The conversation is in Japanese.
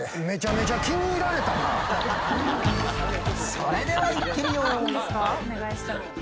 それではいってみよう！